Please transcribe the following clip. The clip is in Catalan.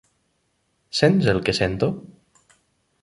Sents el que sento?